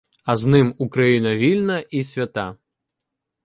А з ним Україна вільна і свята.